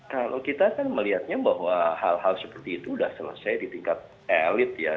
kalau kita kan melihatnya bahwa hal hal seperti itu sudah selesai di tingkat elit ya